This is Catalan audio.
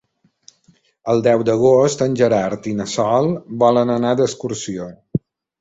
El deu d'agost en Gerard i na Sol volen anar d'excursió.